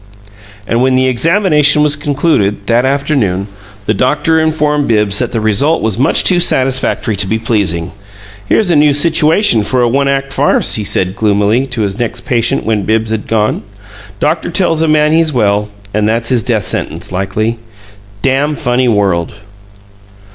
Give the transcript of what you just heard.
And when the examination was concluded, that afternoon, the doctor informed Bibbs that the result was much too satisfactory to be pleasing. "Here's a new 'situation' for a one act farce," he said, gloomily, to his next patient when Bibbs had gone. "Doctor tells a man he's well, and that's his death sentence, likely. Dam' funny world!"